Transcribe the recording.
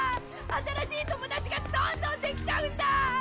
新しい友達がどんどんできちゃうんだ！